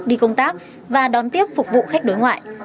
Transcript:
đi công tác và đón tiếp phục vụ khách đối ngoại